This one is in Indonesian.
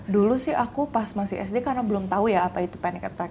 dulu sih aku pas masih sd karena belum tahu ya apa itu panic attack